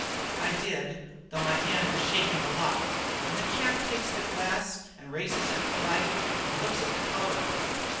"I did it, though my hand was shaking a lot, and the chap takes the glass and raises it polite, and looks at the colour of it.